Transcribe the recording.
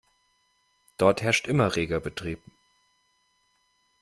Dort herrscht immer reger Betrieb.